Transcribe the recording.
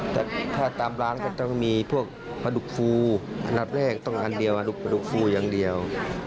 แต่ถ้าตามร้านก็ต้องมีพวกปลาดุกฟูอันดับแรกต้องอันเดียวปลาดุกฟูอย่างเดียว